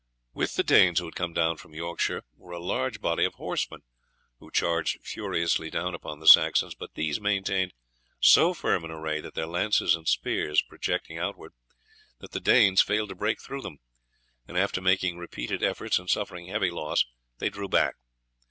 With the Danes who had come down from Yorkshire were a large body of horsemen, who charged furiously down upon the Saxons; but these maintained so firm an array with their lances and spears projecting outward that the Danes failed to break through them, and after making repeated efforts and suffering heavy loss they drew back.